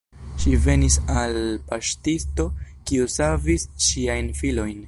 Ŝi venis al paŝtisto, kiu savis ŝiajn filojn.